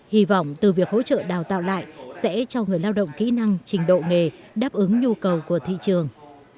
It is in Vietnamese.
hy vọng từ việc hỗ trợ đào tạo lại sẽ cho người lao động kỹ năng trình độ nghề đáp ứng nhu cầu của thị trường